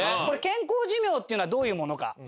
これ健康寿命っていうのはどういうものか。